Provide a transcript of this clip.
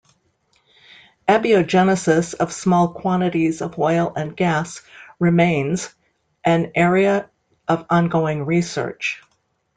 Abiogenesis of small quantities of oil and gas remains an area of ongoing research.